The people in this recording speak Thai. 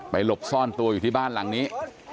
หลบซ่อนตัวอยู่ที่บ้านหลังนี้